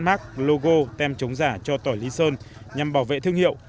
marc logo tem chống giả cho tỏi lý sơn nhằm bảo vệ thương hiệu